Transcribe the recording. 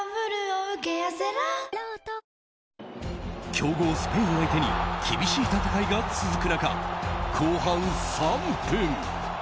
強豪スペイン相手に厳しい戦いが続く中、後半３分。